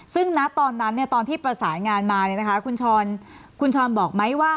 ซึ่งณตอนนั้นตอนที่ประสานงานมาคุณชรบอกไหมว่า